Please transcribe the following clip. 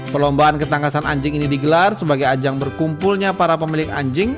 perlombaan ketangkasan anjing ini digelar sebagai ajang berkumpulnya para pemilik anjing